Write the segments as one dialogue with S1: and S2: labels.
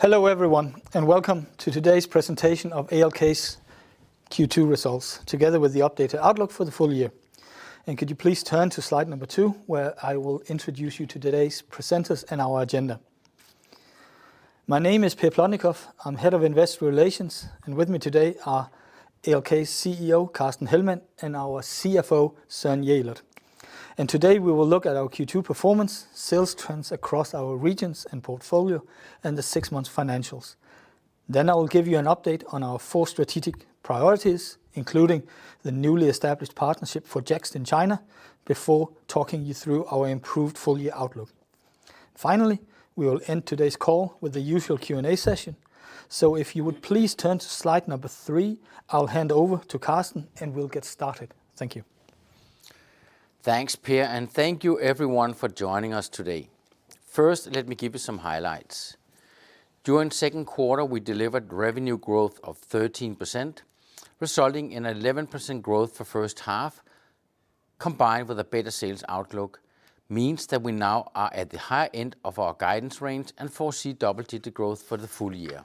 S1: Hello everyone, welcome to today's presentation of ALK's Q2 results, together with the updated outlook for the full year. Could you please turn to slide number two where I will introduce you to today's presenters and our agenda. My name is Per Plotnikof. I'm Head of Investor Relations, and with me today are ALK's CEO, Carsten Hellmann, and our CFO, Søren Jelert. Today we will look at our Q2 performance, sales trends across our regions and portfolio, and the six month financials. I will give you an update on our four strategic priorities, including the newly established partnership for Jext in China, before talking you through our improved full-year outlook. Finally, we will end today's call with the usual Q&A session. If you would please turn to slide number three, I'll hand over to Carsten, and we'll get started. Thank you.
S2: Thanks Per, thank you everyone for joining us today. First, let me give you some highlights. During second quarter, we delivered revenue growth of 13%, resulting in 11% growth for first half, combined with a better sales outlook means that we now are at the high end of our guidance range and foresee double-digit growth for the full year.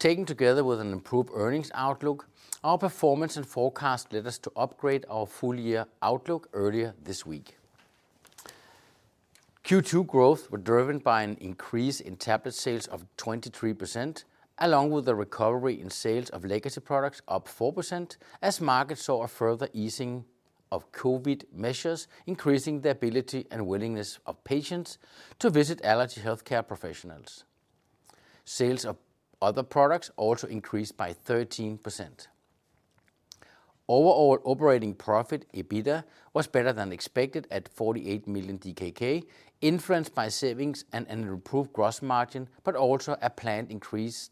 S2: Taken together with an improved earnings outlook, our performance and forecast led us to upgrade our full-year outlook earlier this week. Q2 growth were driven by an increase in tablet sales of 23%, along with the recovery in sales of legacy products up 4%, as markets saw a further easing of COVID measures, increasing the ability and willingness of patients to visit allergy healthcare professionals. Sales of other products also increased by 13%. Overall operating profit, EBITDA, was better than expected at 48 million DKK, influenced by savings and an improved gross margin, but also a planned increase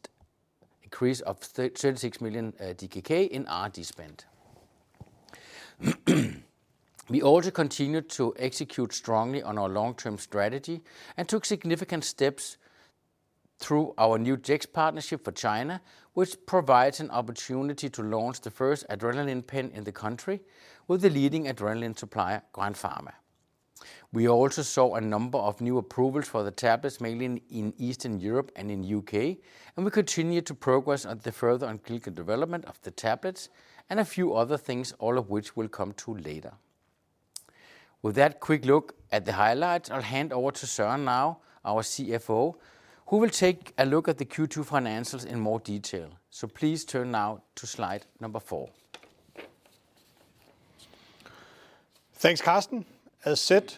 S2: of 36 million DKK in R&D spend. We also continued to execute strongly on our long-term strategy and took significant steps through our new Jext partnership for China, which provides an opportunity to launch the first adrenaline pen in the country with the leading adrenaline supplier, Grandpharma. We also saw a number of new approvals for the tablets, mainly in Eastern Europe and in U.K. We continue to progress at the further on clinical development of the tablets and a few other things, all of which we'll come to later. With that quick look at the highlights, I'll hand over to Søren now, our CFO, who will take a look at the Q2 financials in more detail. Please turn now to slide number four.
S3: Thanks Carsten. As said,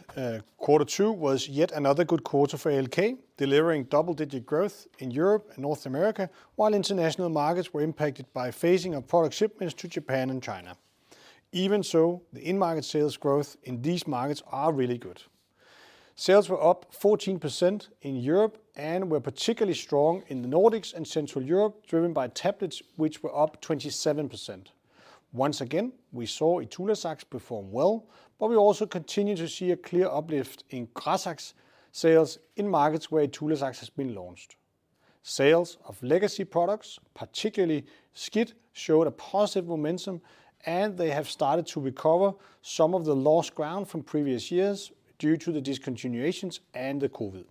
S3: quarter two was yet another good quarter for ALK, delivering double-digit growth in Europe and North America, while international markets were impacted by phasing of product shipments to Japan and China. Even so, the in-market sales growth in these markets are really good. Sales were up 14% in Europe and were particularly strong in the Nordics and Central Europe, driven by tablets, which were up 27%. Once again, we saw ITULAZAX perform well, but we also continue to see a clear uplift in GRAZAX sales in markets where ITULAZAX has been launched. Sales of legacy products, particularly SCIT, showed a positive momentum, and they have started to recover some of the lost ground from previous years due to the discontinuations and the COVID.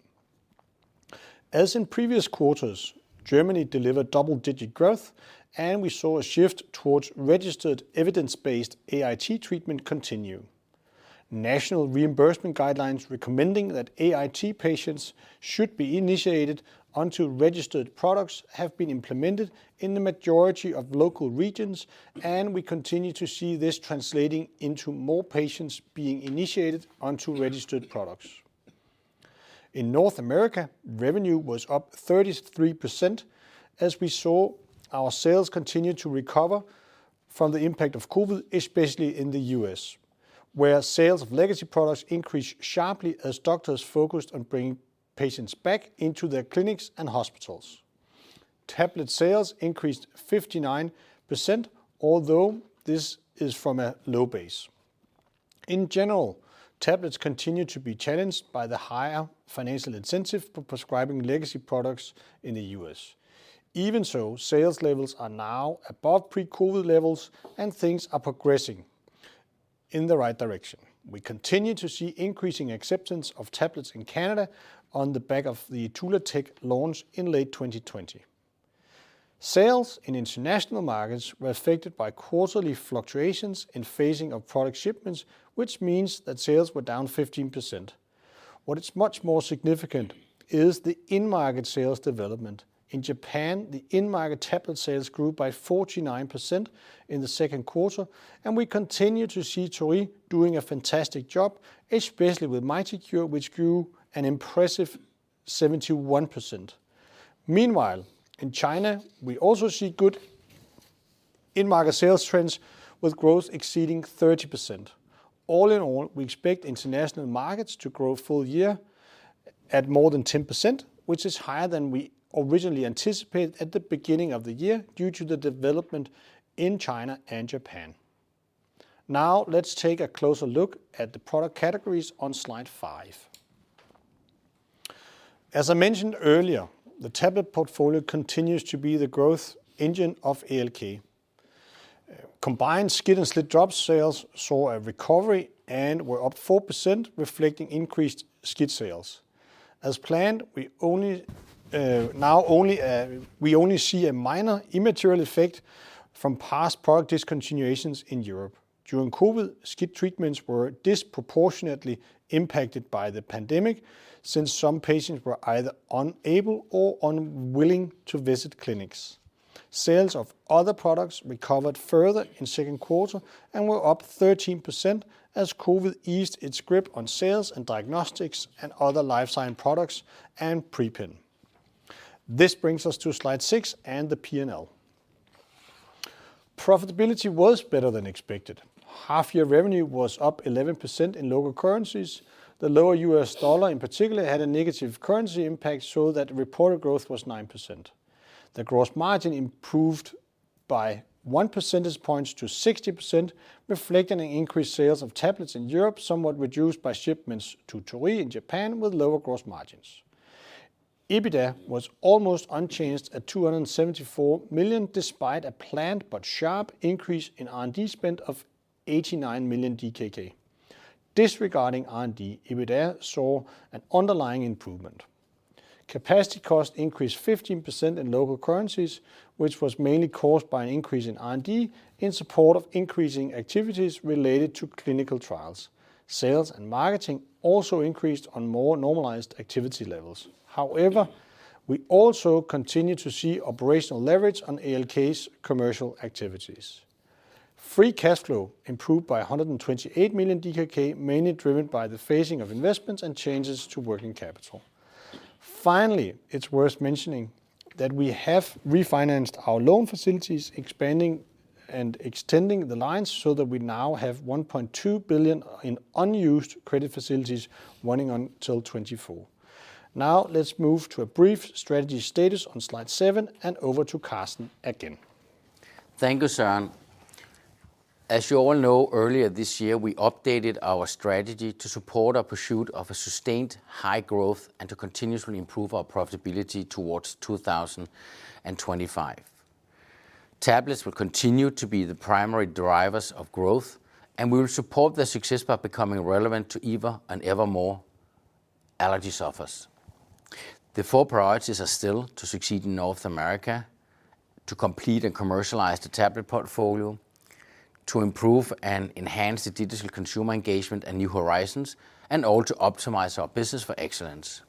S3: As in previous quarters, Germany delivered double-digit growth, and we saw a shift towards registered evidence-based AIT treatment continue. National reimbursement guidelines recommending that AIT patients should be initiated onto registered products have been implemented in the majority of local regions, and we continue to see this translating into more patients being initiated onto registered products. In North America, revenue was up 33% as we saw our sales continue to recover from the impact of COVID, especially in the U.S., where sales of legacy products increased sharply as doctors focused on bringing patients back into their clinics and hospitals. Tablet sales increased 59%, although this is from a low base. In general, tablets continue to be challenged by the higher financial incentive for prescribing legacy products in the U.S. Even so, sales levels are now above pre-COVID levels and things are progressing in the right direction. We continue to see increasing acceptance of tablets in Canada on the back of the ITULATEK launch in late 2020. Sales in international markets were affected by quarterly fluctuations in phasing of product shipments, which means that sales were down 15%. What is much more significant is the in-market sales development. In Japan, the in-market tablet sales grew by 49% in the second quarter, and we continue to see Torii doing a fantastic job, especially with MITICURE, which grew an impressive 71%. Meanwhile, in China, we also see good in-market sales trends with growth exceeding 30%. All in all, we expect international markets to grow full year at more than 10%, which is higher than we originally anticipated at the beginning of the year due to the development in China and Japan. Now let's take a closer look at the product categories on slide five. As I mentioned earlier, the tablet portfolio continues to be the growth engine of ALK. Combined SCIT and SLIT drop sales saw a recovery and were up 4%, reflecting increased SCIT sales. As planned, we only see a minor immaterial effect from past product discontinuations in Europe. During COVID, SCIT treatments were disproportionately impacted by the pandemic, since some patients were either unable or unwilling to visit clinics. Sales of other products recovered further in 2nd quarter and were up 13% as COVID eased its grip on sales and diagnostics and other life science products and PRE-PEN. This brings us to slide six and the P&L. Profitability was better than expected. Half-year revenue was up 11% in local currencies. The lower US dollar in particular had a negative currency impact so that reported growth was 9%. The gross margin improved by 1 percentage point to 60%, reflecting an increased sales of tablets in Europe, somewhat reduced by shipments to Torii in Japan with lower gross margins. EBITDA was almost unchanged at 274 million, despite a planned but sharp increase in R&D spend of 89 million DKK. Disregarding R&D, EBITDA saw an underlying improvement. Capacity cost increased 15% in local currencies, which was mainly caused by an increase in R&D in support of increasing activities related to clinical trials. Sales and marketing also increased on more normalized activity levels. We also continue to see operational leverage on ALK's commercial activities. Free cash flow improved by 128 million DKK, mainly driven by the phasing of investments and changes to working capital. Finally, it's worth mentioning that we have refinanced our loan facilities, expanding and extending the lines so that we now have 1.2 billion in unused credit facilities running until 2024. Let's move to a brief strategy status on slide seven and over to Carsten again.
S2: Thank you, Søren. As you all know, earlier this year, we updated our strategy to support our pursuit of a sustained high growth and to continuously improve our profitability towards 2025. Tablets will continue to be the primary drivers of growth, and we will support their success by becoming relevant to ever and ever more allergy sufferers. The four priorities are still to succeed in North America, to complete and commercialize the tablet portfolio, to improve and enhance the digital consumer engagement and new horizons, also optimize our business for excellence.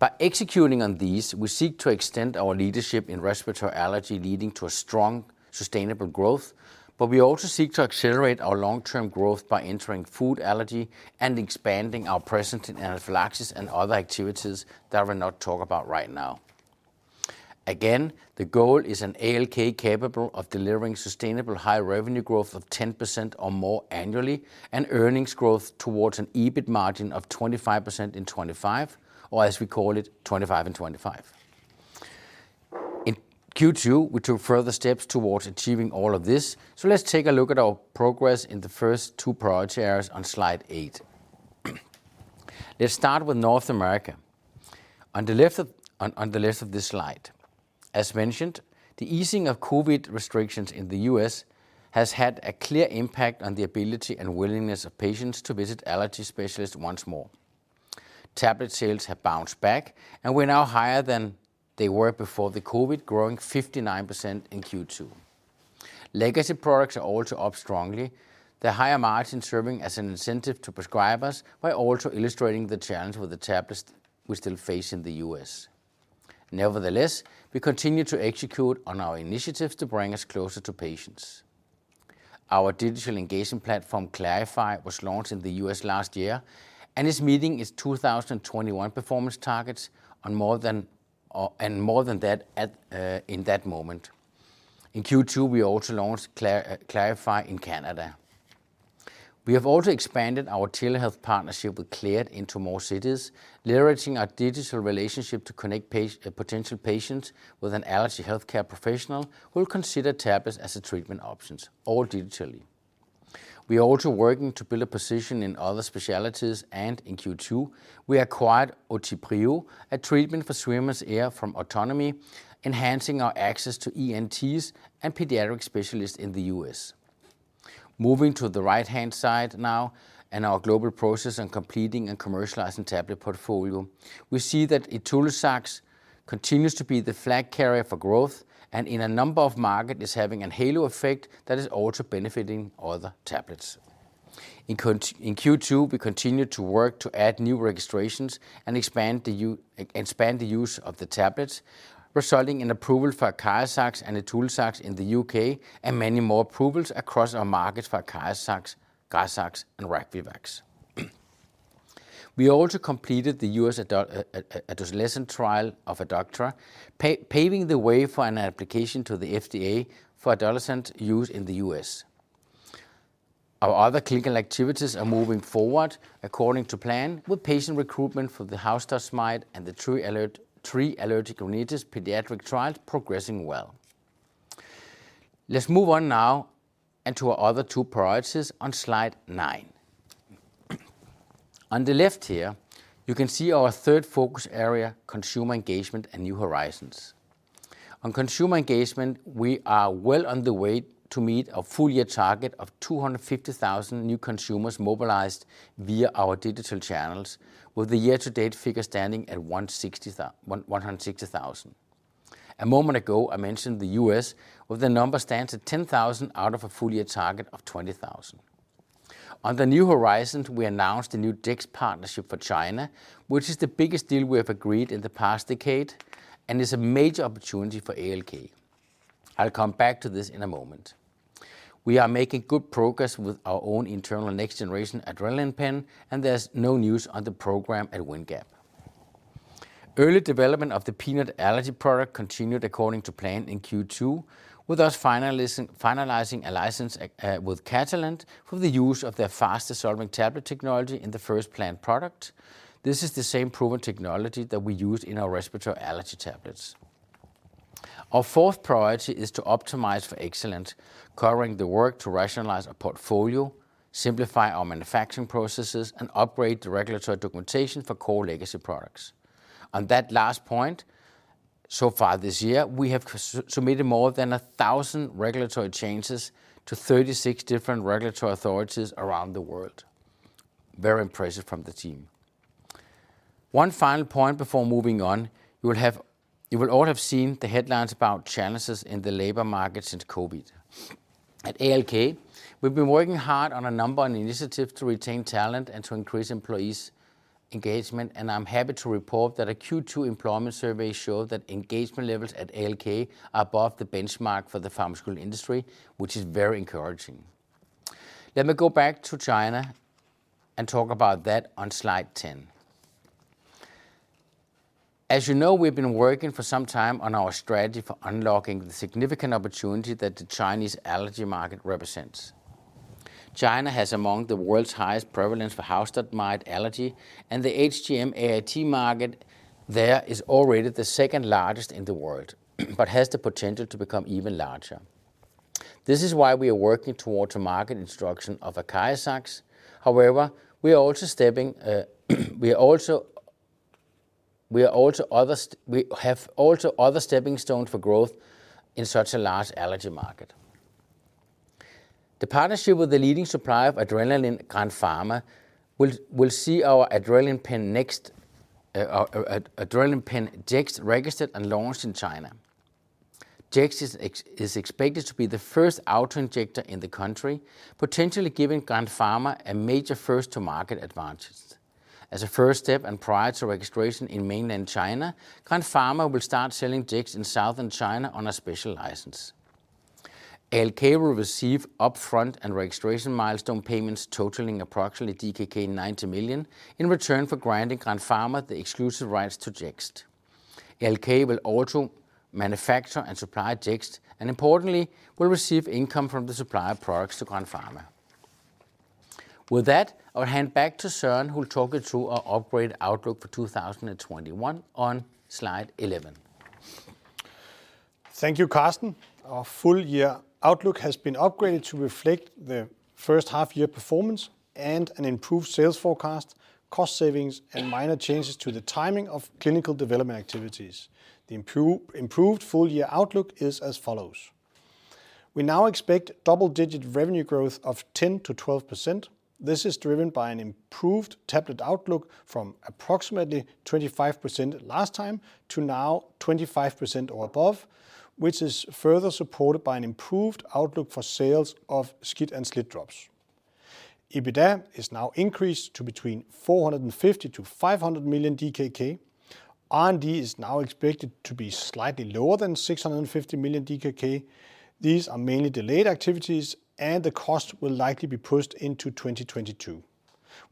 S2: By executing on these, we seek to extend our leadership in respiratory allergy, leading to a strong, sustainable growth, but we also seek to accelerate our long-term growth by entering food allergy and expanding our presence in anaphylaxis and other activities that I will not talk about right now. Again, the goal is an ALK capable of delivering sustainable high revenue growth of 10% or more annually and earnings growth towards an EBIT margin of 25% in 2025, or as we call it, 25 in 2025. In Q2, we took further steps towards achieving all of this. Let's take a look at our progress in the first two priority areas on slide eight. Let's start with North America on the left of this slide. As mentioned, the easing of COVID restrictions in the U.S. has had a clear impact on the ability and willingness of patients to visit allergy specialists once more. Tablet sales have bounced back and were now higher than they were before the COVID, growing 59% in Q2. Legacy products are also up strongly. The higher margin serving as an incentive to prescribers while also illustrating the challenge with the tablets we still face in the U.S. Nevertheless, we continue to execute on our initiatives to bring us closer to patients. Our digital engagement platform, klarify was launched in the U.S. last year. It's meeting its 2021 performance targets and more than that in that moment. In Q2, we also launched klarify in Canada. We have also expanded our telehealth partnership with Cleared into more cities, leveraging our digital relationship to connect potential patients with an allergy healthcare professional who will consider tablets as a treatment options, all digitally. We are also working to build a position in other specialties. In Q2, we acquired OTIPRIO, a treatment for swimmer's ear from Otonomy, enhancing our access to ENTs and pediatric specialists in the U.S. Moving to the right-hand side now and our global process on completing and commercializing tablet portfolio, we see that ITULAZAX continues to be the flag carrier for growth, and in a number of markets, is having a halo effect that is also benefiting other tablets. In Q2, we continued to work to add new registrations and expand the use of the tablets, resulting in approval for ACARIZAX and ITULAZAX in the U.K. and many more approvals across our markets for ACARIZAX, GRAZAX, and RAGWIZAX. We also completed the U.S. adolescent trial of ODACTRA, paving the way for an application to the FDA for adolescent use in the U.S. Our other clinical activities are moving forward according to plan with patient recruitment for the house dust mite and the tree allergic rhinitis pediatric trials progressing well. Let's move on now and to our other two priorities on slide nine. On the left here, you can see our third focus area, Consumer Engagement and New Horizons. On Consumer Engagement, we are well on the way to meet our full-year target of 250,000 new consumers mobilized via our digital channels with the year-to-date figure standing at 160,000. A moment ago, I mentioned the U.S. where the number stands at 10,000 out of a full-year target of 20,000. On the New Horizons, we announced a new Jext partnership for China, which is the biggest deal we have agreed in the past decade and is a major opportunity for ALK. I'll come back to this in a moment. We are making good progress with our own internal next-generation adrenaline pen, and there's no news on the program at Windgap. Early development of the peanut allergy product continued according to plan in Q2 with us finalizing a license with Catalent for the use of their fast-dissolving tablet technology in the first planned product. This is the same proven technology that we used in our respiratory allergy tablets. Our fourth priority is to optimize for excellence, covering the work to rationalize our portfolio, simplify our manufacturing processes, and upgrade the regulatory documentation for core legacy products. On that last point, so far this year, we have submitted more than 1,000 regulatory changes to 36 different regulatory authorities around the world. Very impressive from the team. One final point before moving on, you will all have seen the headlines about challenges in the labor market since COVID. At ALK, we've been working hard on a number of initiatives to retain talent and to increase employees' engagement, and I'm happy to report that a Q2 employment survey showed that engagement levels at ALK are above the benchmark for the pharmaceutical industry, which is very encouraging. Let me go back to China and talk about that on slide 10. As you know, we've been working for some time on our strategy for unlocking the significant opportunity that the Chinese allergy market represents. China has among the world's highest prevalence for house dust mite allergy, and the HDM AIT market there is already the second largest in the world but has the potential to become even larger. This is why we are working towards a market instruction of ACARIZAX. However, we have also other stepping stones for growth in such a large allergy market. The partnership with the leading supplier of adrenaline, Grandpharma, will see our adrenaline pen, Jext, registered and launched in China. Jext is expected to be the first auto-injector in the country, potentially giving Grandpharma a major first-to-market advantage. As a first step and prior to registration in mainland China, Grandpharma will start selling Jext in southern China on a special license. ALK will receive upfront and registration milestone payments totaling approximately DKK 90 million in return for granting Grandpharma the exclusive rights to Jext. ALK will also manufacture and supply Jext and, importantly, will receive income from the supply of products to Grandpharma. With that, I'll hand back to Søren, who will talk you through our upgraded outlook for 2021 on slide 11.
S3: Thank you, Carsten. Our full-year outlook has been upgraded to reflect the first half-year performance and an improved sales forecast, cost savings, and minor changes to the timing of clinical development activities. The improved full-year outlook is as follows. We now expect double-digit revenue growth of 10%-12%. This is driven by an improved tablet outlook from approximately 25% last time to now 25% or above, which is further supported by an improved outlook for sales of SCIT and SLIT-drops. EBITDA is now increased to between 450 million-500 million DKK. R&D is now expected to be slightly lower than 650 million DKK. These are mainly delayed activities, and the cost will likely be pushed into 2022.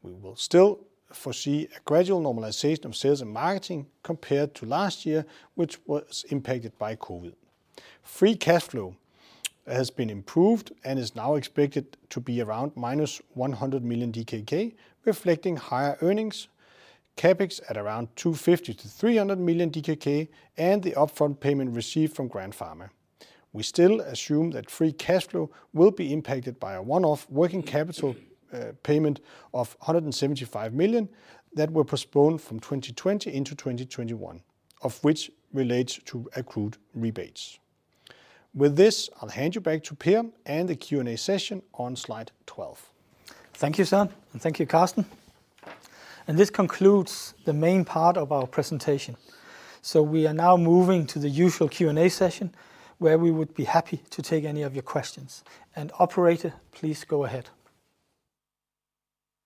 S3: We will still foresee a gradual normalization of sales and marketing compared to last year, which was impacted by COVID. Free cash flow has been improved and is now expected to be around -100 million DKK, reflecting higher earnings, CapEx at around 250 million-300 million DKK and the upfront payment received from Grandpharma. We still assume that free cash flow will be impacted by a one-off working capital payment of 175 million that were postponed from 2020 into 2021, of which relates to accrued rebates. With this, I'll hand you back to Per and the Q&A session on slide 12.
S1: Thank you, Søren, and thank you, Carsten. This concludes the main part of our presentation. We are now moving to the usual Q&A session, where we would be happy to take any of your questions. Operator, please go ahead.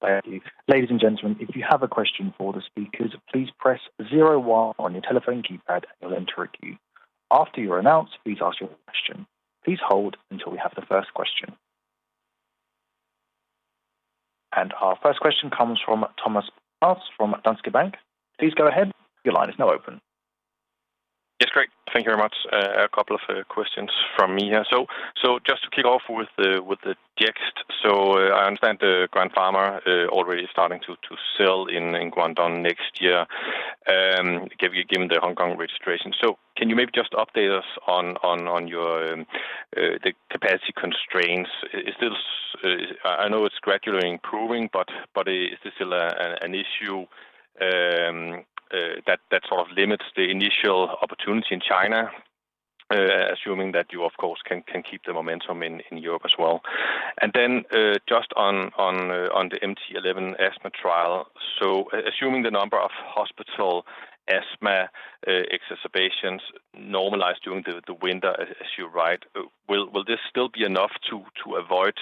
S4: Thank you. Ladies and gentlemen, if you have a question for the speakers, please press zero one on your telephone keypad and you'll enter a queue. After you are announced, please ask your question. Please hold until we have the first question. Our first question comes from Thomas Bowers from Danske Bank. Please go ahead.
S5: Yes, great. Thank you very much. A couple of questions from me here. Just to kick off with the Jext. I understand that Grandpharma are already starting to sell in Guangdong next year. Given the Hong Kong registration. Can you maybe just update us on the capacity constraints? I know it's gradually improving, but is this still an issue that sort of limits the initial opportunity in China, assuming that you of course can keep the momentum in Europe as well? Just on the MT-11 asthma trial, assuming the number of hospital asthma exacerbations normalize during the winter as you're right, will this still be enough to avoid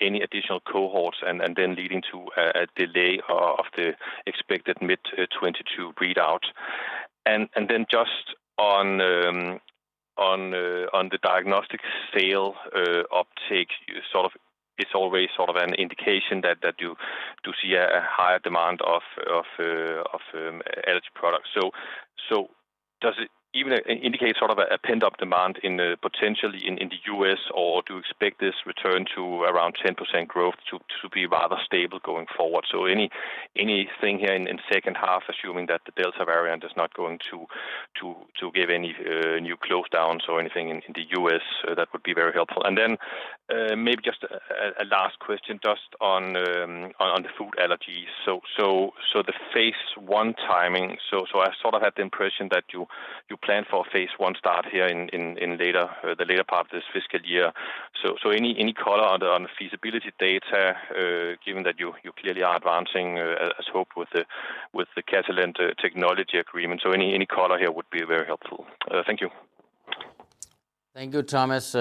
S5: any additional cohorts and then leading to a delay of the expected mid 2022 readout? Just on the diagnostic sale uptake, it's always sort of an indication that you do see a higher demand of allergy products. Does it even indicate sort of a pent-up demand in potentially in the U.S. or do you expect this return to around 10% growth to be rather stable going forward? Anything here in the second half assuming that the Delta variant is not going to give any new lockdowns or anything in the U.S., that would be very helpful. Maybe just a last question just on the food allergies. The phase I timing, I sort of had the impression that you plan for phase I start here in the later part of this fiscal year. Any color on the feasibility data, given that you clearly are advancing as hoped with the Catalent technology agreement. Any color here would be very helpful. Thank you.
S2: Thank you, Thomas.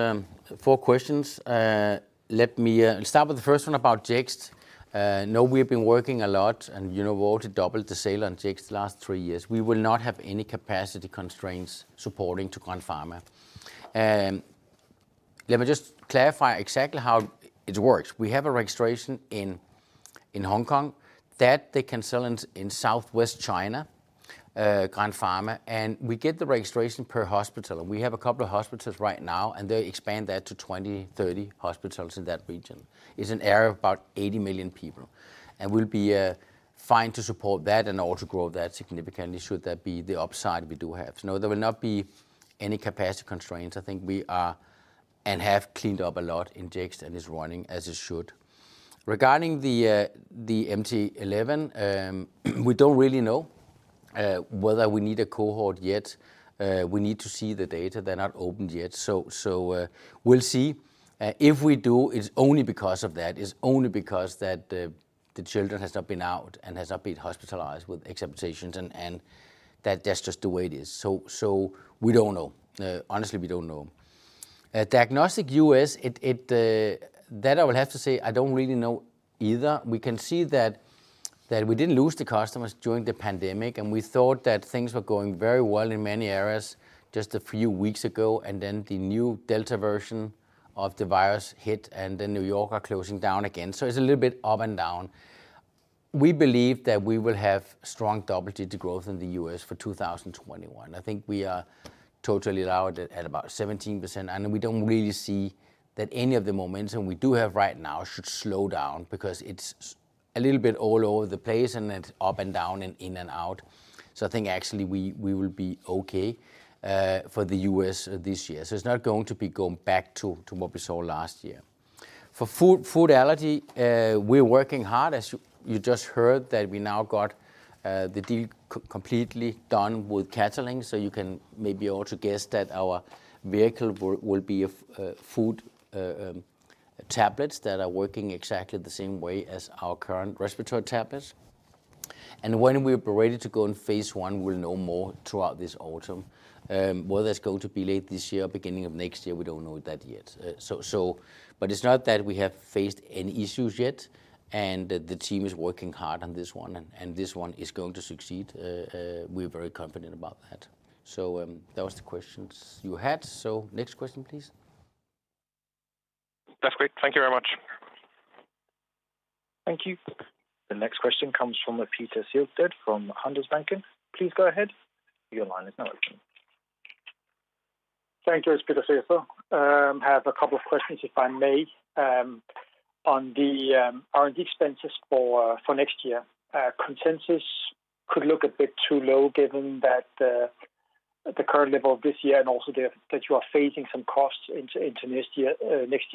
S2: Four questions. Know we've been working a lot and you know well to double the sale on Jext the last three years. We will not have any capacity constraints supporting Grandpharma. Let me just clarify exactly how it works. We have a registration in Hong Kong that they can sell in Southwest China, Grandpharma, and we get the registration per hospital. We have a couple of hospitals right now, and they expand that to 20, 30 hospitals in that region. It's an area of about 80 million people. We'll be fine to support that and also grow that significantly should that be the upside we do have. No, there will not be any capacity constraints. I think we are and have cleaned up a lot in Jext and it's running as it should. Regarding the MT-11, we don't really know whether we need a cohort yet. We need to see the data. They're not opened yet. We'll see. If we do, it's only because of that, it's only because that the children has not been out and has not been hospitalized with exacerbations and that's just the way it is. We don't know. Honestly, we don't know. Diagnostic U.S., that I would have to say I don't really know either. We can see that we didn't lose the customers during the pandemic. We thought that things were going very well in many areas just a few weeks ago. The new Delta version of the virus hit. New York are closing down again. It's a little bit up and down. We believe that we will have strong double-digit growth in the U.S. for 2021. I think we are totally aligned at about 17%, we don't really see that any of the momentum we do have right now should slow down because it's a little bit all over the place and it's up and down and in and out. I think actually we will be okay for the U.S. this year. It's not going to be going back to what we saw last year. For food allergy, we're working hard as you just heard that we now got the deal completely done with Catalent, you can maybe also guess that our vehicle will be food tablets that are working exactly the same way as our current respiratory tablets. When we're ready to go in phase I, we'll know more throughout this autumn. Whether it's going to be late this year or beginning of next year, we don't know that yet. It's not that we have faced any issues yet, and the team is working hard on this one, and this one is going to succeed. We're very confident about that. That was the questions you had. Next question, please.
S5: That's great. Thank you very much.
S4: Thank you. The next question comes from Peter Sehested from Handelsbanken. Please go ahead. Your line is now open.
S6: Thank you. It's Peter Sehested. Have two questions, if I may. On the R&D expenses for next year, consensus could look a bit too low given that the current level of this year and also that you are facing some costs into next year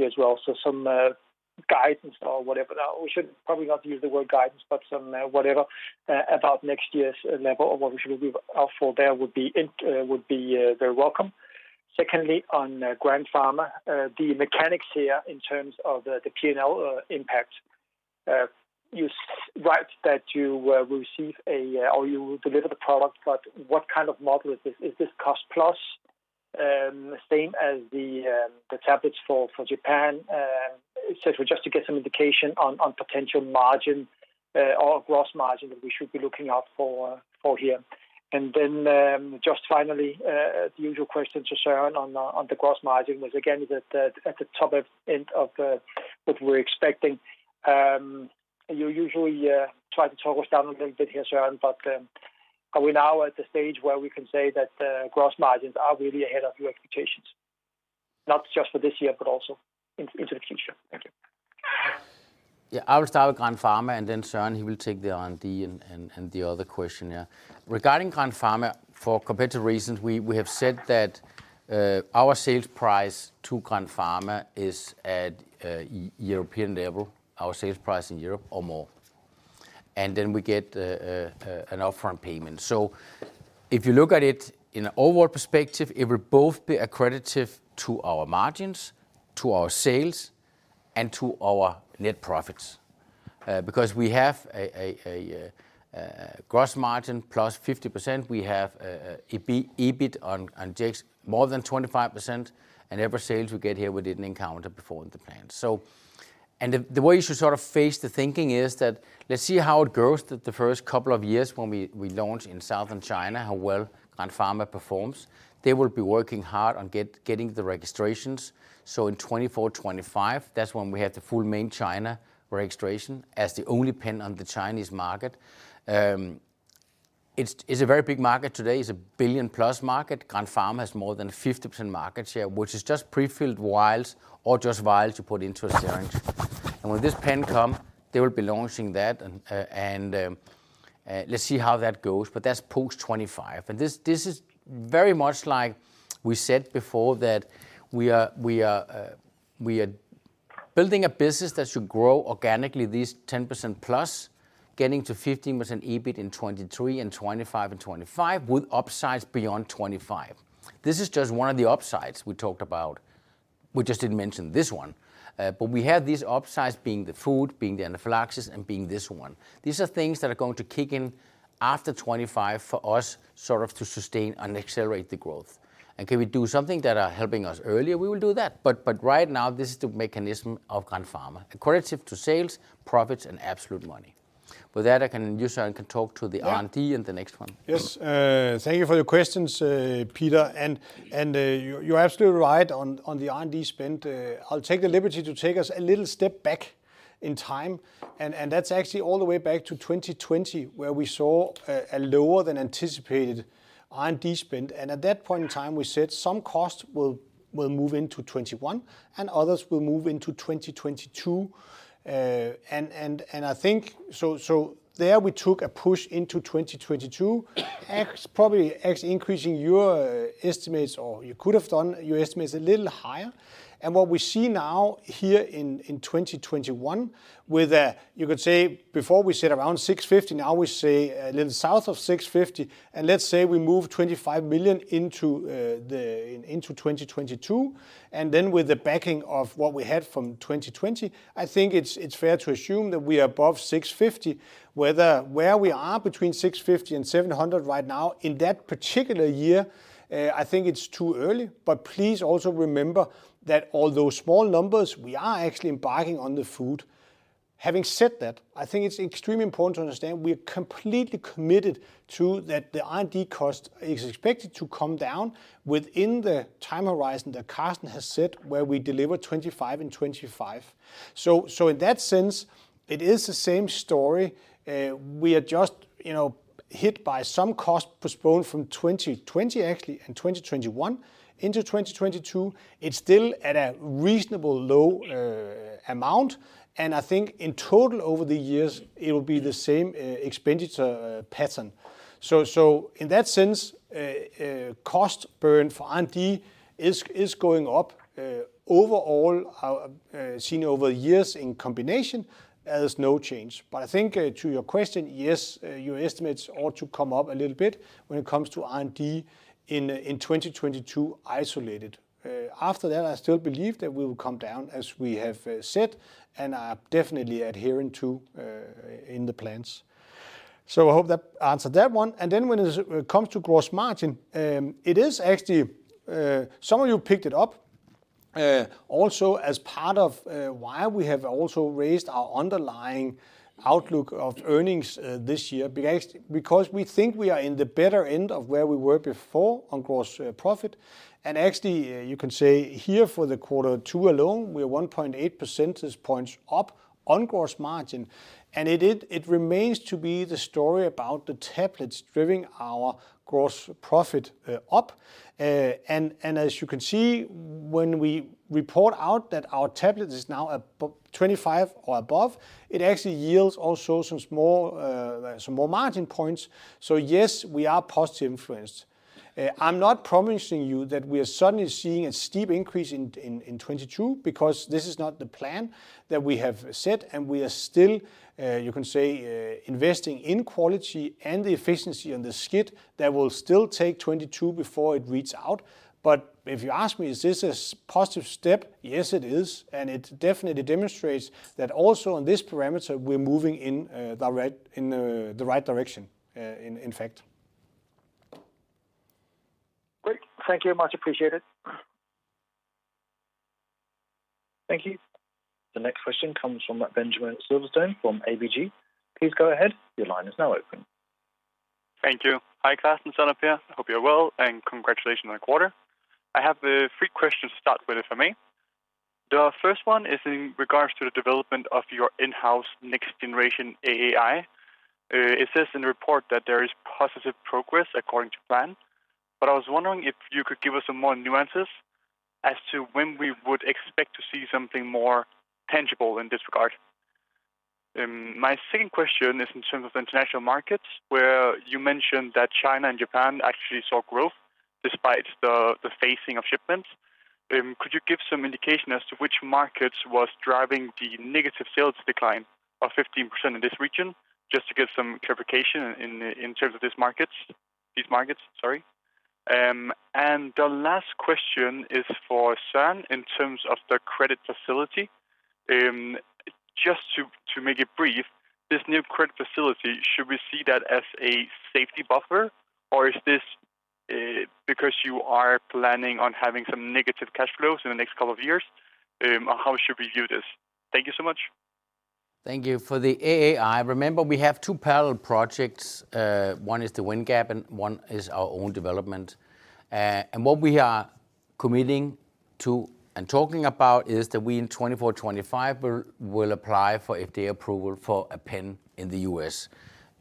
S6: as well. Some guidance or whatever. We should probably not use the word guidance, but some whatever about next year's level or what we should be out for there would be very welcome. Secondly, on Grandpharma, the mechanics here in terms of the P&L impact, you write that you will receive or you will deliver the product, but what kind of model is this? Is this cost plus same as the tablets for Japan? Just to get some indication on potential margin or gross margin that we should be looking out for here. Just finally, the usual question to Søren on the gross margin was again at the top end of what we're expecting. You usually try to talk us down a little bit here, Søren, but are we now at the stage where we can say that the gross margins are really ahead of your expectations, not just for this year, but also into the future?
S2: Yeah, I will start with Grandpharma and Søren, he will take the R&D and the other question, yeah. Regarding Grandpharma, for competitive reasons, we have said that our sales price to Grandpharma is at European level, our sales price in Europe or more. Then we get an upfront payment. If you look at it in an overall perspective, it will both be accretive to our margins, to our sales, and to our net profits. Because we have a gross margin +50%, we have EBIT on Jext more than 25%, every sale we get here, we didn't encounter before in the plan. The way you should sort of face the thinking is that let's see how it goes through the first couple of years when we launch in southern China, how well Grandpharma performs. They will be working hard on getting the registrations. In 2024, 2025, that's when we have the full Main China registration as the only pen on the Chinese market. It's a very big market today. It's a 1+ billion market. Grandpharma has more than 50% market share, which is just prefilled vials or just vials you put into a syringe. When this pen come, they will be launching that and let's see how that goes. That's post 2025. This is very much like we said before, that we are building a business that should grow organically this 10%+, getting to 15% EBIT in 2023 and 2025, with upsides beyond 2025. This is just one of the upsides we talked about. We just didn't mention this one. We have these upsides being the food, being the anaphylaxis, and being this one. These are things that are going to kick in after 2025 for us sort of to sustain and accelerate the growth. Can we do something that are helping us earlier, we will do that. Right now, this is the mechanism of Grandpharma. Accretive to sales, profits, and absolute money. With that, Søren can talk to the R&D and the next one.
S3: Yes. Thank you for your questions, Peter. You're absolutely right on the R&D spend. I'll take the liberty to take us a little step back in time, and that's actually all the way back to 2020, where we saw a lower than anticipated R&D spend. At that point in time, we said some costs will move into 2021, and others will move into 2022. There we took a push into 2022, probably increasing your estimates, or you could have done your estimates a little higher. What we see now here in 2021 with, you could say before we said around 650, now we say a little south of 650, and let's say we move 25 million into 2022. Then with the backing of what we had from 2020, I think it's fair to assume that we are above 650. Whether where we are between 650 and 700 right now in that particular year, I think it's too early. Please also remember that although small numbers, we are actually embarking on the food. Having said that, I think it's extremely important to understand we are completely committed to that the R&D cost is expected to come down within the time horizon that Carsten has set, where we deliver 25 in 2025. In that sense, it is the same story. We are just hit by some cost postponed from 2020 actually, and 2021 into 2022. It's still at a reasonably low amount. I think in total over the years, it will be the same expenditure pattern. In that sense, cost burn for R&D is going up. Overall, seen over years in combination, there's no change. I think to your question, yes, your estimates ought to come up a little bit when it comes to R&D in 2022 isolated. After that, I still believe that we will come down, as we have said, and are definitely adhering to in the plans. I hope that answered that one. Then when it comes to gross margin, some of you picked it up, also as part of why we have also raised our underlying outlook of earnings this year, because we think we are in the better end of where we were before on gross profit. Actually, you can say here for the quarter two alone, we are 1.8% percentage points up on gross margin. It remains to be the story about the tablets driving our gross profit up. As you can see, when we report out that our tablets is now at 25% or above, it actually yields also some more margin points. Yes, we are positive influenced. I'm not promising you that we are suddenly seeing a steep increase in 2022, because this is not the plan that we have set, and we are still, you can say, investing in quality and the efficiency in the SCIT that will still take 2022 before it reads out. If you ask me, is this a positive step? Yes, it is, and it definitely demonstrates that also on this parameter, we're moving in the right direction in effect.
S6: Great. Thank you very much. Appreciate it.
S4: Thank you. The next question comes from Benjamin Silverstone from ABG. Please go ahead.
S7: Thank you. Hi, Carsten and Søren, hope you're well, and congratulations on the quarter. I have three questions to start with, if I may. The first one is in regards to the development of your in-house next generation AAI. It says in the report that there is positive progress according to plan. I was wondering if you could give us some more nuances as to when we would expect to see something more tangible in this regard. My second question is in terms of international markets, where you mentioned that China and Japan actually saw growth despite the phasing of shipments. Could you give some indication as to which markets was driving the negative sales decline of 15% in this region, just to give some clarification in terms of these markets? The last question is for Søren in terms of the credit facility. Just to make it brief, this new credit facility, should we see that as a safety buffer, or is this because you are planning on having some negative cash flows in the next couple of years? How should we view this? Thank you so much.
S2: Thank you. For the AAI, remember we have two parallel projects. One is the WindGap, and one is our own development. What we are committing to and talking about is that we in 2024, 2025, will apply for FDA approval for a pen in the U.S.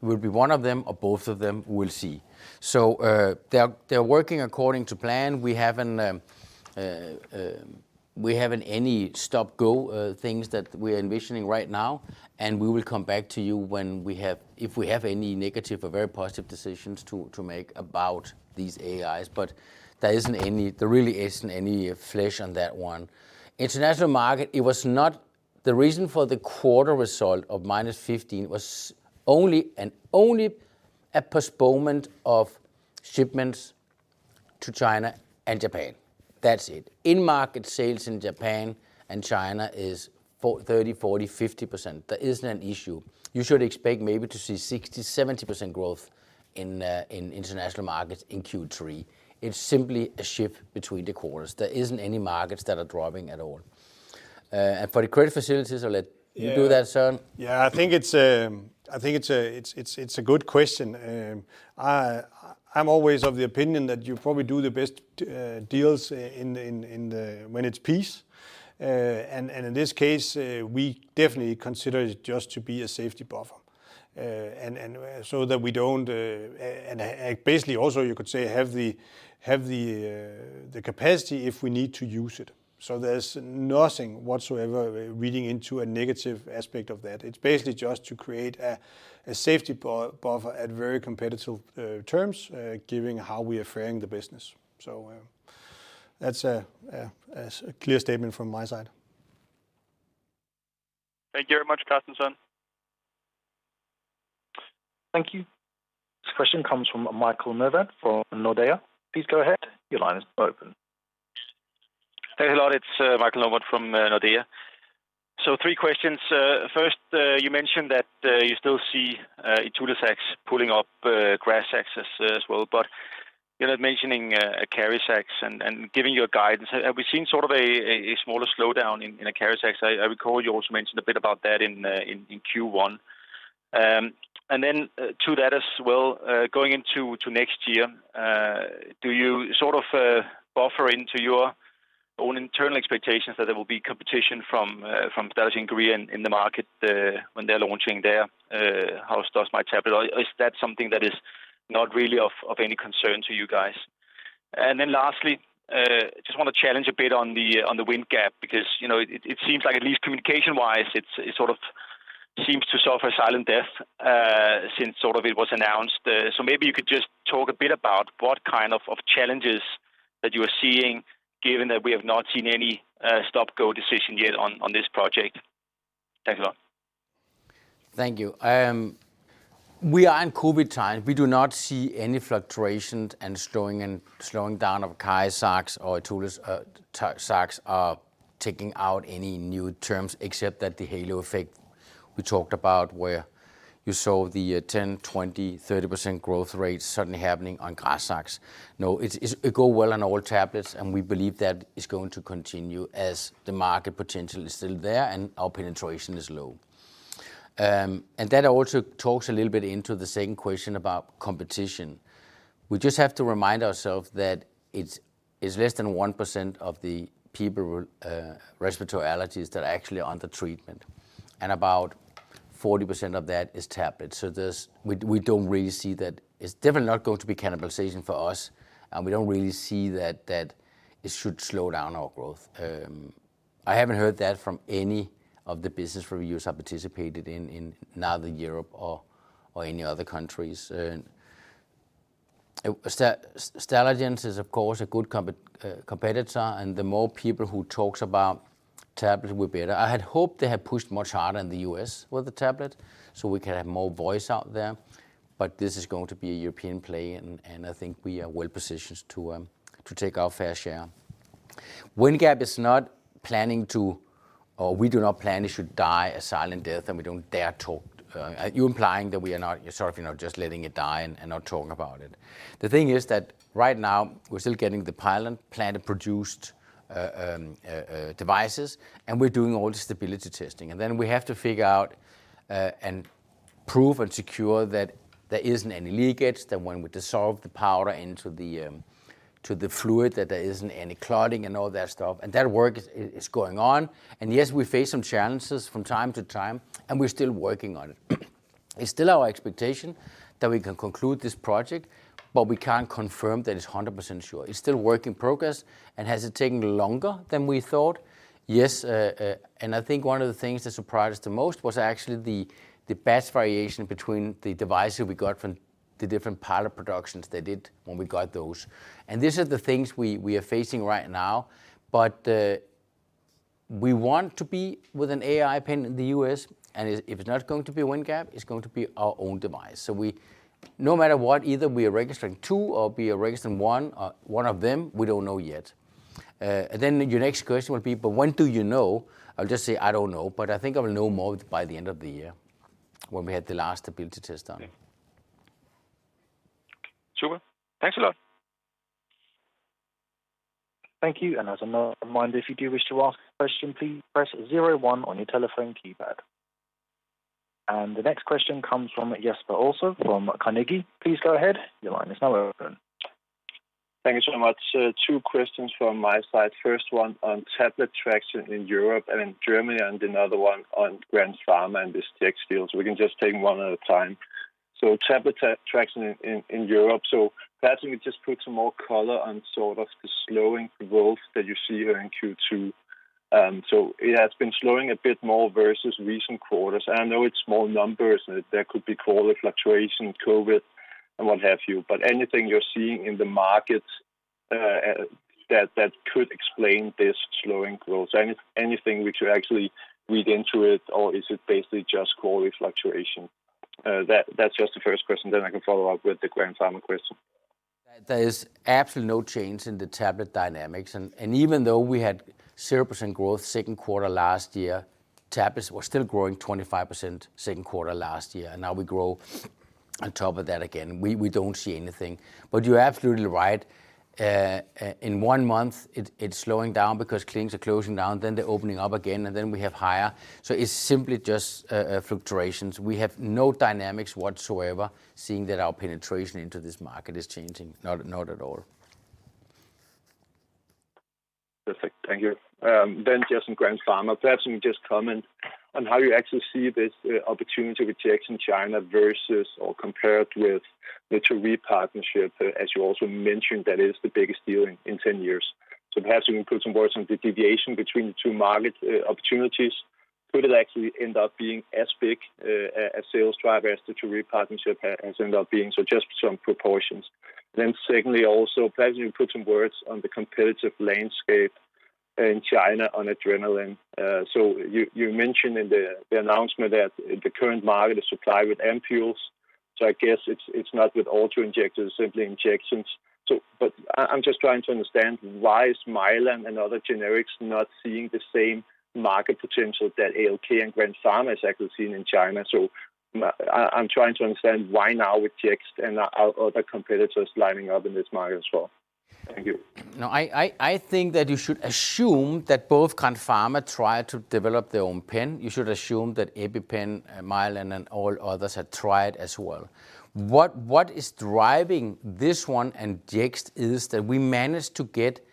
S2: It will be one of them or both of them, we'll see. They're working according to plan. We haven't any stop-go things that we're envisioning right now, and we will come back to you if we have any negative or very positive decisions to make about these AAIs. There really isn't any flesh on that one. International market, the reason for the quarter result of minus 15 was only and only a postponement of shipments to China and Japan. That's it. In-market sales in Japan and China is 30%, 40%, 50%. That isn't an issue. You should expect maybe to see 60, 70% growth in international markets in Q3. It's simply a shift between the quarters. There isn't any markets that are dropping at all. For the credit facilities, I'll let you do that, Søren.
S3: Yeah, I think it's a good question. I'm always of the opinion that you probably do the best deals when it's peace. In this case, we definitely consider it just to be a safety buffer. Basically also, you could say have the capacity if we need to use it. There's nothing whatsoever reading into a negative aspect of that. It's basically just to create a safety buffer at very competitive terms given how we are framing the business. That's a clear statement from my side.
S7: Thank you very much, Carsten, Søren.
S4: Thank you. This question comes from Michael Novod from Nordea. Please go ahead. Your line is open.
S8: Thanks a lot. It's Michael Novod from Nordea. Three questions. First, you mentioned that you still see ITULAZAX pulling up GRAZAX as well, but you're not mentioning ACARIZAX and giving your guidance. Have we seen sort of a smaller slowdown in ACARIZAX? I recall you also mentioned a bit about that in Q1. To that as well, going into next year, do you sort of buffer into your own internal expectations that there will be competition from Stallergenes Greer in the market when they're launching their house dust mite tablet? Or is that something that is not really of any concern to you guys? Lastly, just want to challenge a bit on the Windgap Medical, because it seems like at least communication wise, it sort of seems to suffer a silent death since it was announced. Maybe you could just talk a bit about what kind of challenges that you are seeing, given that we have not seen any stop-go decision yet on this project. Thanks a lot.
S2: Thank you. We are in COVID times. We do not see any fluctuations and slowing down of ACARIZAX or ITULAZAX taking out any new terms except that the halo effect we talked about where you saw the 10%, 20%, 30% growth rates suddenly happening on GRAZAX. No, it go well on all tablets, and we believe that is going to continue as the market potential is still there and our penetration is low. That also talks a little bit into the second question about competition. We just have to remind ourselves that it's less than 1% of the people with respiratory allergies that are actually under treatment, and about 40% of that is tablets. We don't really see that. It's definitely not going to be cannibalization for us, and we don't really see that it should slow down our growth. I haven't heard that from any of the business reviews I participated in either Europe or any other countries. Stallergenes is, of course, a good competitor, and the more people who talks about tablet will be better. I had hoped they had pushed much harder in the U.S. with the tablet so we could have more voice out there, but this is going to be a European play, and I think we are well positioned to take our fair share. Wind Gap is not planning to, or we do not plan it should die a silent death, and we don't dare talk. You're implying that we are now sort of just letting it die and not talking about it. The thing is that right now we're still getting the pilot plant-produced devices, and we're doing all the stability testing. We have to figure out and prove and secure that there isn't any leakage, that when we dissolve the powder into the fluid, that there isn't any clotting and all that stuff. That work is going on. Yes, we face some challenges from time to time, and we're still working on it. It's still our expectation that we can conclude this project, but we can't confirm that it's 100% sure. It's still work in progress. Has it taken longer than we thought? Yes. I think one of the things that surprised us the most was actually the batch variation between the devices we got from the different pilot productions they did when we got those. These are the things we are facing right now. We want to be with an AAI pen in the U.S., and if it's not going to be a Windgap Medical, it's going to be our own device. No matter what, either we are registering two or we are registering one of them, we don't know yet. Your next question will be, when do you know? I'll just say, I don't know, I think I will know more by the end of the year when we have the last stability test done.
S8: Super. Thanks a lot.
S4: Thank you. As a reminder, if you do wish to ask a question, please press zero one on your telephone keypad. The next question comes from Jesper Ilsøe from Carnegie. Please go ahead. Your line is now open.
S9: Thank you so much. Two questions from my side. First one on tablet traction in Europe and in Germany, and another one on Grandpharma and this Jext deal. We can just take one at a time. Tablet traction in Europe. Perhaps you could just put some more color on sort of the slowing growth that you see here in Q2. It has been slowing a bit more versus recent quarters, and I know it's small numbers and there could be quality fluctuation, COVID, and what have you, but anything you're seeing in the markets that could explain this slowing growth? Anything which you actually read into it, or is it basically just quality fluctuation? That's just the first question, then I can follow up with the Grandpharma question.
S2: There is absolutely no change in the tablet dynamics. Even though we had 0% growth second quarter last year, tablets were still growing 25% second quarter last year, and now we grow on top of that again. We don't see anything. You're absolutely right. In one month, it's slowing down because clinics are closing down, then they're opening up again, and then we have higher. It's simply just fluctuations. We have no dynamics whatsoever seeing that our penetration into this market is changing. Not at all.
S9: Perfect. Thank you. Just on Grandpharma, perhaps you could just comment on how you actually see this opportunity with Jext in China versus or compared with the Torii partnership, as you also mentioned, that is the biggest deal in 10 years. Perhaps you can put some words on the deviation between the two market opportunities. Could it actually end up being as big a sales driver as the Torii partnership has ended up being? Just some proportions. Secondly, also, perhaps you can put some words on the competitive landscape in China on adrenaline. You mentioned in the announcement that the current market is supplied with ampoules, so I guess it's not with auto-injectors, simply injections. I'm just trying to understand why is Mylan and other generics not seeing the same market potential that ALK and Grandpharma is actually seeing in China. I'm trying to understand why now with Jext and are other competitors lining up in this market as well? Thank you.
S2: No, I think that you should assume that both Grandpharma tried to develop their own pen. You should assume that EpiPen, Mylan, and all others had tried as well. What is driving this one and Jext is that we managed to get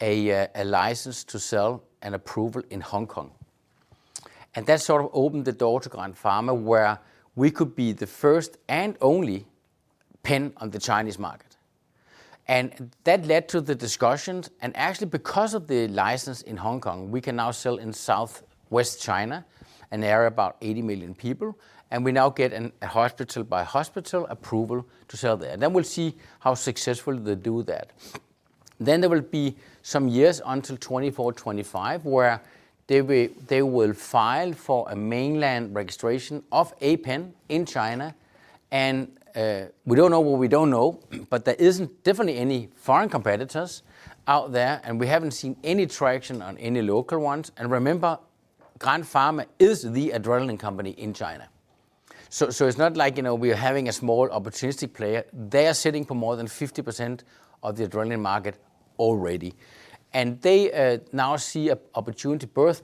S2: a license to sell and approval in Hong Kong. That sort of opened the door to Grandpharma, where we could be the first and only pen on the Chinese market. That led to the discussions, and actually, because of the license in Hong Kong, we can now sell in southwest China, an area of about 80 million people, and we now get a hospital by hospital approval to sell there. We'll see how successful they do that. There will be some years until 2024, 2025, where they will file for a mainland registration of a pen in China. We don't know what we don't know, but there isn't definitely any foreign competitors out there, and we haven't seen any traction on any local ones. Remember, Grandpharma is the adrenaline company in China. It's not like we are having a small opportunity player. They are sitting for more than 50% of the adrenaline market already. They now see an opportunity, both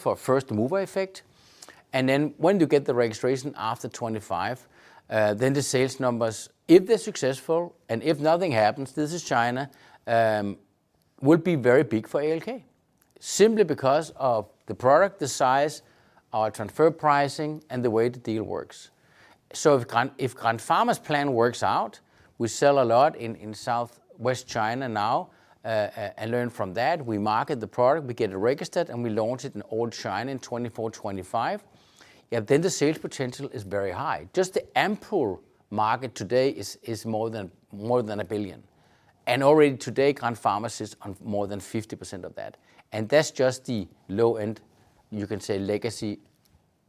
S2: for first-mover effect and then when you get the registration after 2025, then the sales numbers, if they're successful and if nothing happens, this is China, would be very big for ALK. Simply because of the product, the size, our transfer pricing, and the way the deal works. If Grandpharma's plan works out, we sell a lot in southwest China now, and learn from that, we market the product, we get it registered, and we launch it in all of China in 2024, 2025, then the sales potential is very high. The ampoule market today is more than 1 billion. Already today, Grandpharma sits on more than 50% of that. That's just the low end, you can say legacy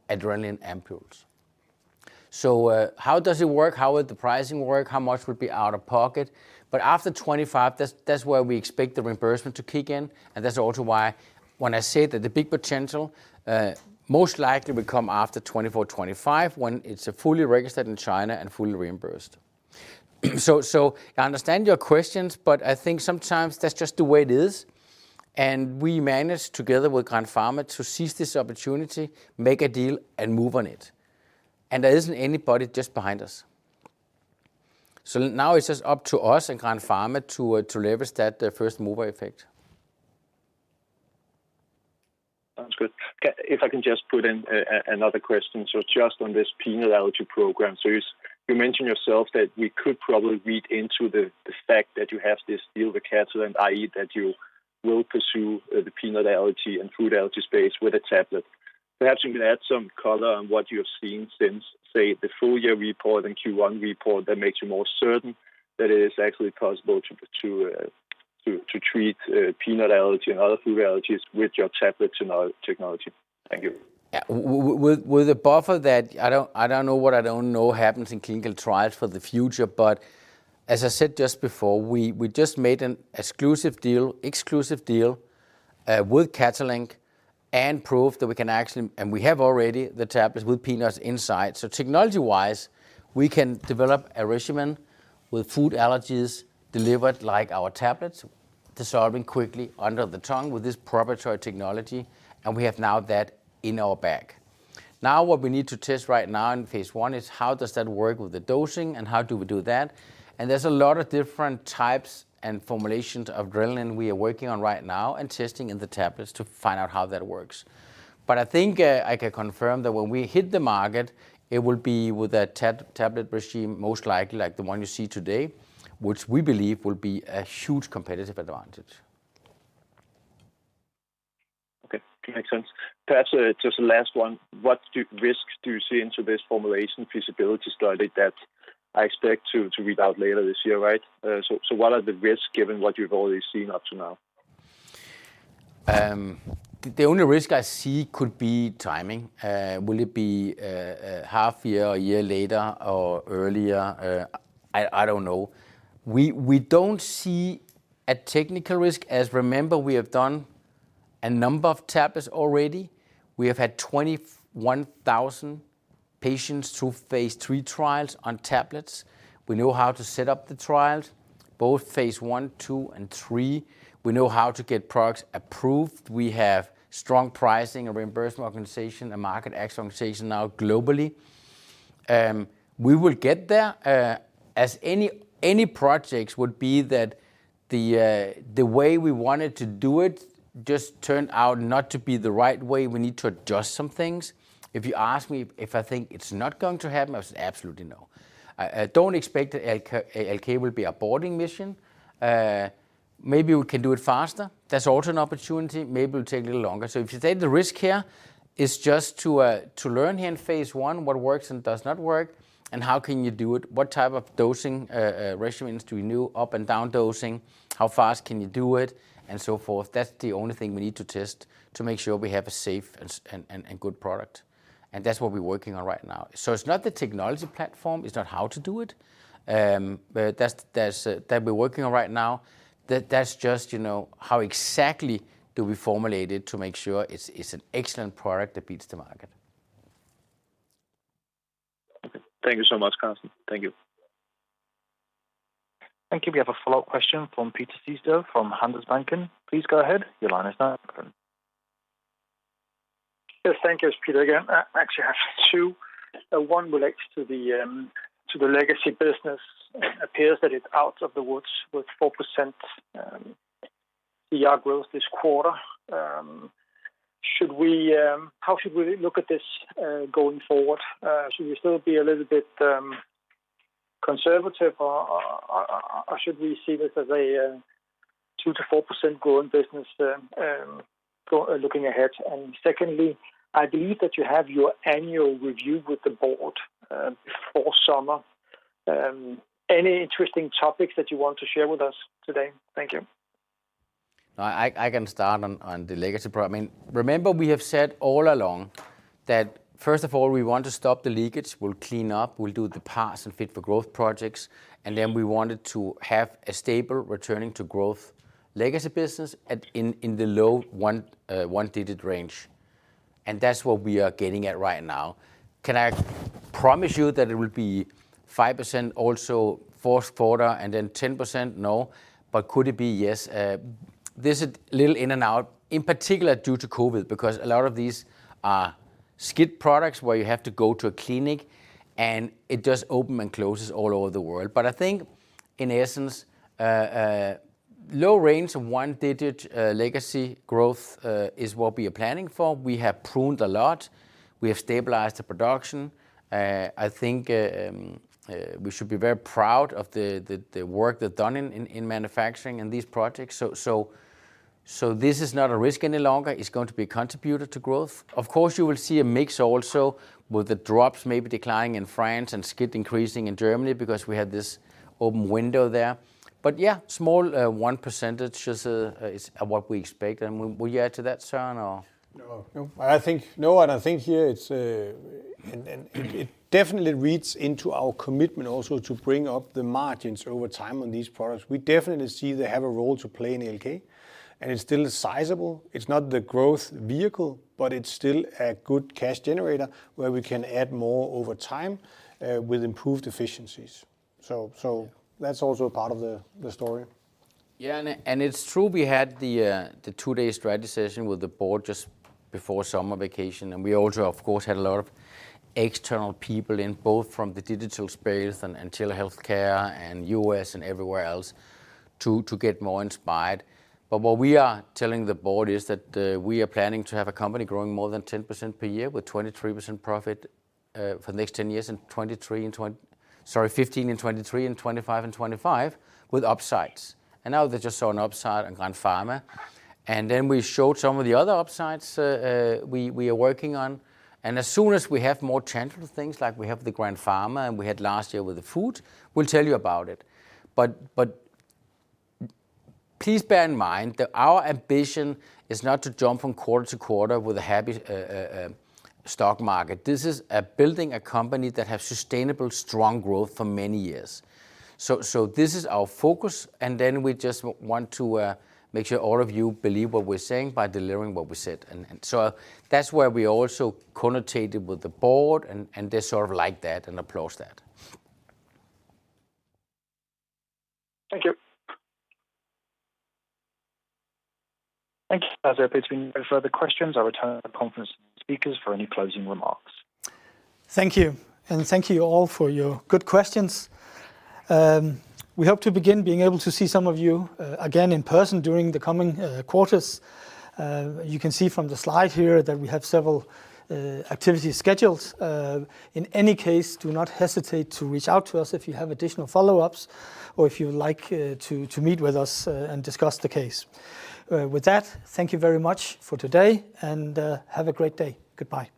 S2: adrenaline ampoules. How does it work? How would the pricing work? How much would be out of pocket? After 2025, that's where we expect the reimbursement to kick in, and that's also why when I say that the big potential most likely will come after 2024, 2025, when it's fully registered in China and fully reimbursed. I understand your questions, but I think sometimes that's just the way it is. We managed together with Grandpharma to seize this opportunity, make a deal, and move on it. There isn't anybody just behind us. Now it's just up to us and Grandpharma to leverage that first-mover effect.
S9: Sounds good. If I can just put in another question. Just on this peanut allergy program. You mentioned yourself that we could probably read into the fact that you have this deal with Catalent, i.e., that you will pursue the peanut allergy and food allergy space with a tablet. Perhaps you can add some color on what you have seen since, say, the full-year report and Q1 report that makes you more certain that it is actually possible to treat peanut allergy and other food allergies with your tablets and our technology. Thank you.
S2: Yeah. With the buffer that I don't know what I don't know happens in clinical trials for the future, as I said just before, we just made an exclusive deal with Catalent and proved that we can actually, and we have already the tablets with peanuts inside. Technology-wise, we can develop a regimen with food allergies delivered like our tablets, dissolving quickly under the tongue with this proprietary technology, and we have now that in our bag. Now, what we need to test right now in phase I is how does that work with the dosing and how do we do that? There's a lot of different types and formulations of adrenaline we are working on right now and testing in the tablets to find out how that works. I think I can confirm that when we hit the market, it will be with a tablet regimen, most likely like the one you see today, which we believe will be a huge competitive advantage.
S9: Okay. Makes sense. Perhaps just the last one, what risks do you see into this formulation feasibility study that I expect to read out later this year, right? What are the risks given what you've already seen up to now?
S2: The only risk I see could be timing. Will it be half year or a year later or earlier? I don't know. We don't see a technical risk as remember we have done a number of tablets already. We have had 21,000 patients through phase III trials on tablets. We know how to set up the trials, both phase I, II, and III. We know how to get products approved. We have strong pricing and reimbursement organization and market access organization now globally. We will get there. Any projects would be that the way we wanted to do it just turned out not to be the right way, we need to adjust some things. If you ask me if I think it's not going to happen, I would say absolutely no. Don't expect that ALK will be an aborting mission. Maybe we can do it faster. That's also an opportunity. Maybe it will take a little longer. If you take the risk here, it's just to learn here in phase I what works and does not work, and how can you do it, what type of dosing regimens. Do we do up and down dosing? How fast can you do it, and so forth. That's the only thing we need to test to make sure we have a safe and good product. That's what we're working on right now. It's not the technology platform, it's not how to do it. That's just how exactly do we formulate it to make sure it's an excellent product that beats the market.
S9: Okay. Thank you so much, Carsten. Thank you.
S4: Thank you. We have a follow-up question from Peter Sehested from Handelsbanken. Please go ahead.
S6: Yes. Thank you. It's Peter again. I actually have two. One relates to the legacy business. It appears that it's out of the woods with 4% CR growth this quarter. How should we look at this going forward? Should we still be a little bit conservative or should we see this as a 2%-4% growing business looking ahead? Secondly, I believe that you have your annual review with the board before summer. Any interesting topics that you want to share with us today? Thank you.
S2: I can start on the legacy part. Remember we have said all along that first of all, we want to stop the leakage. We'll clean up, we'll do the Path to Fit for Growth projects, we wanted to have a stable returning to growth legacy business in the low one digit range. That's what we are getting at right now. Can I promise you that it will be 5% also fourth quarter and then 10%? No. Could it be? Yes. There's a little in and out, in particular due to COVID, because a lot of these are SCIT products where you have to go to a clinic, it just open and closes all over the world. I think, in essence, low range of one digit legacy growth is what we are planning for. We have pruned a lot. We have stabilized the production. I think we should be very proud of the work they've done in manufacturing and these projects. This is not a risk any longer. It's going to be a contributor to growth. Of course, you will see a mix also with the drops maybe declining in France and SCIT increasing in Germany because we had this open window there. Yeah, small 1% is what we expect. Will you add to that, Søren, or?
S3: No. I think here it definitely reads into our commitment also to bring up the margins over time on these products. We definitely see they have a role to play in ALK, and it's still sizable. It's not the growth vehicle, but it's still a good cash generator where we can add more over time with improved efficiencies. That's also part of the story.
S2: Yeah, it's true we had the two day strategy session with the board just before summer vacation, we also of course had a lot of external people in, both from the digital space and telehealthcare and U.S. and everywhere else to get more inspired. What we are telling the board is that we are planning to have a company growing more than 10% per year with 23% profit for the next 10 years in 15 and 23 and 25 and 25 with upsides. Now they just saw an upside in Grandpharma. Then we showed some of the other upsides we are working on. As soon as we have more tangible things like we have with the Grandpharma and we had last year with the food, we'll tell you about it. Please bear in mind that our ambition is not to jump from quarter to quarter with a happy stock market. This is building a company that has sustainable strong growth for many years. This is our focus, and then we just want to make sure all of you believe what we're saying by delivering what we said. That's where we also connotated with the board, and they sort of like that and applause that.
S6: Thank you.
S4: Thank you. As there appears to be no further questions, I return the conference to the speakers for any closing remarks.
S1: Thank you. Thank you all for your good questions. We hope to begin being able to see some of you again in person during the coming quarters. You can see from the slide here that we have several activities scheduled. In any case, do not hesitate to reach out to us if you have additional follow-ups or if you would like to meet with us and discuss the case. With that, thank you very much for today and have a great day. Goodbye.